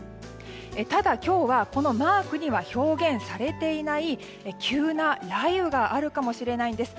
ただ、今日はこのマークには表現されていない急な雷雨があるかもしれないんです。